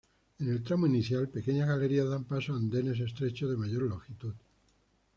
En el tramo inicial, pequeñas galerías dan paso a andenes estrechos de mayor longitud.